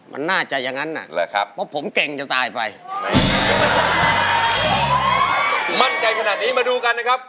มั่นใจขนาดนี้มาดูกันนะครับ